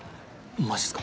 マジっすか？